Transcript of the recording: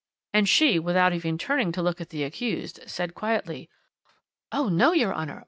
"And she, without even turning to look at the accused, said quietly: "'Oh no! your Honour!